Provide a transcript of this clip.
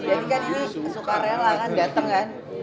jadi kan ini suka rela kan datang kan